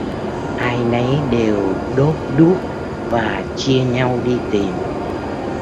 Ai nấy đều đốt đuốc và chia nhau đi tìm